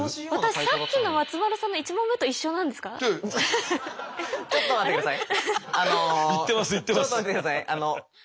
あのちょっと待ってください。